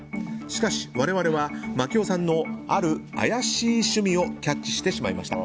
しかし我々は槙尾さんの、ある怪しい趣味をキャッチしてしまいました。